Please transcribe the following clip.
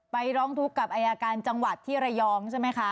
ร้องทุกข์กับอายการจังหวัดที่ระยองใช่ไหมคะ